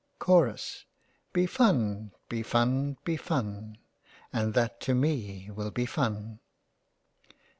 Chorus) Be fun, be fun, be fun, And that to me will be fun.